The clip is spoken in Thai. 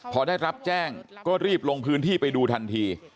พอได้รับแจ้งก็รีบลงพื้นที่ไปดูทันที